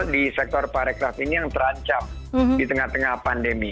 di sektor pariwisata ini yang terancam di tengah tengah pandemi